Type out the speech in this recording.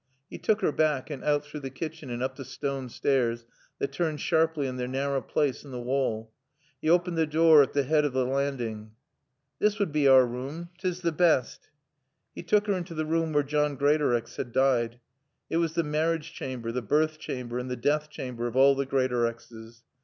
He took her back and out through the kitchen and up the stone stairs that turned sharply in their narrow place in the wall. He opened the door at the head of the landing. "This would bae our room. 'Tis t' best." He took her into the room where John Greatorex had died. It was the marriage chamber, the birth chamber, and the death chamber of all the Greatorexes.